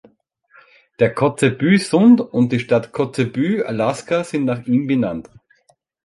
Der Kotzebue-Sund und die Stadt Kotzebue, Alaska, sind nach ihm benannt.